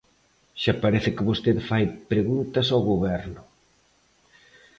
Xa parece que vostede fai preguntas ao Goberno.